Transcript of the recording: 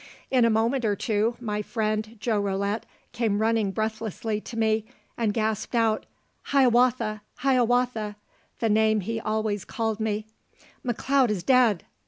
In a moment or two, my friend, Joe Rolette, came running breathlessly to me, and gasped out, "Hiawatha, Hiawatha" [the name he always called me], "McLeod is dead."